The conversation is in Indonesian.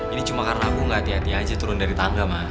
ini cuma karena aku gak hati hati aja turun dari tangga mah